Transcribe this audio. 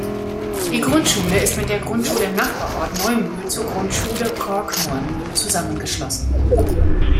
Die Grundschule ist mit der Grundschule im Nachbarort Neumühl zur Grundschule Kork-Neumühl zusammengeschlossen.